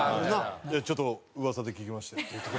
「いやちょっと噂で聞きまして」って言っとく。